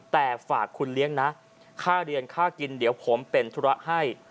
แต่ฝากคุณเลี้ยงนะค่าเรียนค่ากินเดี๋ยวผมเป็นธุระให้